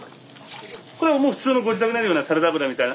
これはもう普通のご自宅にあるようなサラダ油みたいな。